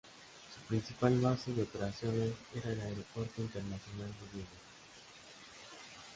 Su principal base de operaciones era el Aeropuerto Internacional de Viena.